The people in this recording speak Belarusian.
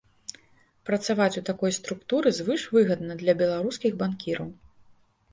Працаваць у такой структуры звышвыгадна для беларускіх банкіраў.